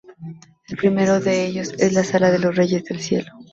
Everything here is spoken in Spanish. El primero de ellos es la "Sala de los Reyes del Cielo".